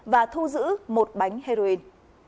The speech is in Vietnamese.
và thu giữ một bánh heroin